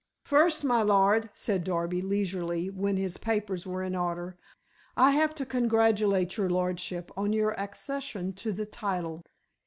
"First, my lord," said Darby leisurely, when his papers were in order, "I have to congratulate your lordship on your accession to the title.